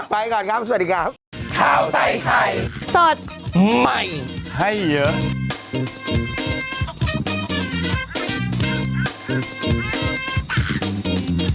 ไปก่อนครับสวัสดีครับ